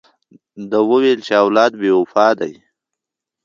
ده وویل چې اولاد بې وفا دی.